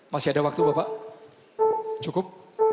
masih ada waktu bapak cukup